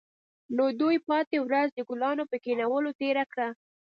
نو دوی پاتې ورځ د ګلانو په کینولو تیره کړه